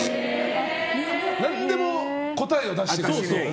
何でも答えを出してくれそう。